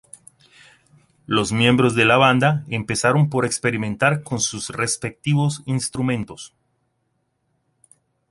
Los miembros de la banda empezaron por experimentar con sus respectivos instrumentos.